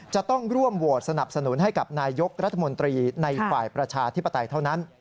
จะต้องร่วมโหวตสนับสนุนให้กับนายกรัฐมนตรีในฝ่ายประชาธิปไตยเท่านั้น